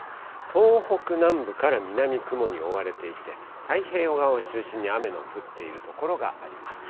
東北南部から南、雲に覆われていて、太平洋側を中心に雨の降っている所があります。